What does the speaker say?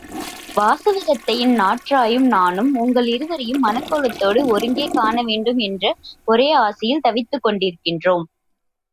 வாசவதத்தையின் நற்றாயும் நானும் உங்கள் இருவரையும் மணக்கோலத்தோடு ஒருங்கே காண வேண்டும் என்ற ஒரே ஆசையால் தவித்துக் கொண்டிருக்கின்றோம்.